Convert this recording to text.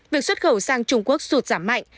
việc xuất khẩu sang trung quốc sụt giảm mạnh